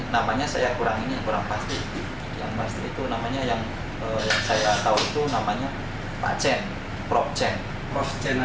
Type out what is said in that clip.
namanya saya kurang pasti itu namanya yang saya tahu itu namanya pak chen prof chen